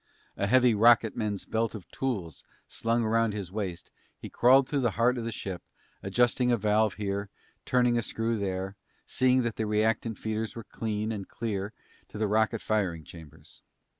A heavy rocketman's belt of tools slung around his waist, he crawled through the heart of the ship, adjusting a valve here, turning a screw there, seeing that the reactant feeders were clean and clear to the rocket firing chambers.